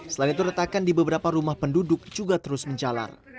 selain itu retakan di beberapa rumah penduduk juga terus menjalar